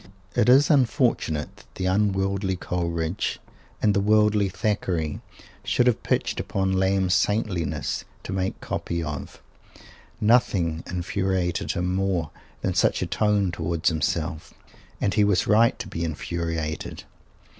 It is unfortunate that the unworldly Coleridge and the worldly Thackeray should have both pitched upon Lamb's "saintliness" to make copy of. Nothing infuriated him more than such a tone towards himself. And he was right to be infuriated.